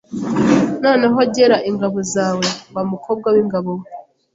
“Noneho, gera ingabo zawe, wa mukobwa w’ingabo we!